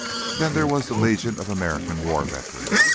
Then there was the Legion of American War Veterans.